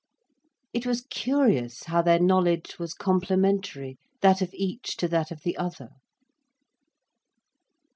It was curious how their knowledge was complementary, that of each to that of the other.